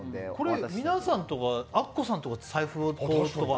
皆さんとか、アッコさんとか財布あげるとか。